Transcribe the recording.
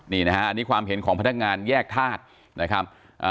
นี่นะฮะอันนี้ความเห็นของพนักงานแยกธาตุนะครับ